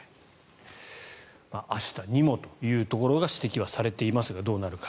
明日にもというところが指摘されていますがどうなるか。